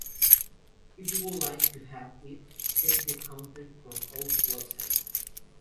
If you would like to have it, take the content from our website.